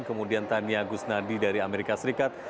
kemudian tania gusnadi dari amerika serikat